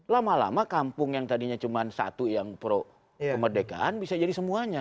lama lama kampung yang tadinya cuma satu yang pro kemerdekaan bisa jadi semuanya